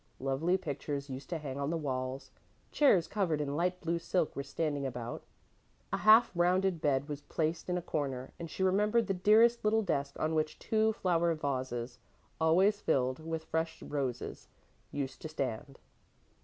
Lovely pictures used to hang on the walls, chairs covered in light blue silk were standing about, a half rounded bed was placed in a corner, and she remembered the dearest little desk on which two flower vases, always filled with fresh roses, used to stand.